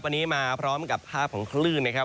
วันนี้มาพร้อมกับภาพของคลื่นนะครับ